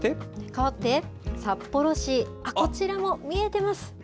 かわって札幌市、こちらも見えてます。